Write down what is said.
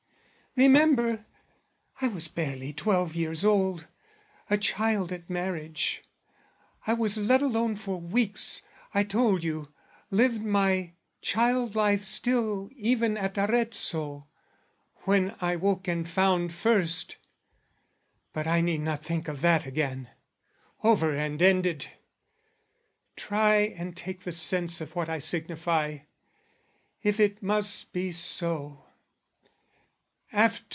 Remember I was barely twelve years old A child at marriage: I was let alone For weeks, I told you, lived my child life still Even at Arezzo, when I woke and found First...but I need not think of that again Over and ended! Try and take the sense Of what I signify, if it must be so.